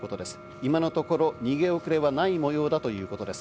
今のところ逃げ遅れはない模様だということです。